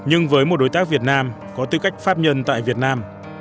nhưng với một đối tác việt nam có tư cách pháp nhân tại việt nam